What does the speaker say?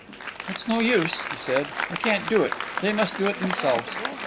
"It's no use," he said, "I can't do it; they must do it themselves!"